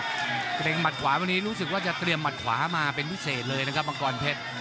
เกรงหัดขวาวันนี้รู้สึกว่าจะเตรียมหมัดขวามาเป็นพิเศษเลยนะครับมังกรเพชร